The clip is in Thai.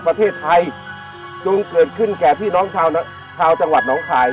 ประเทศไทยจงเกิดขึ้นแก่พี่น้องชาวจังหวัดหนองคาย